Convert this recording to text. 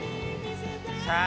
さあ